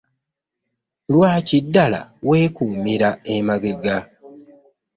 Lwaki ddala weekuumira emabega?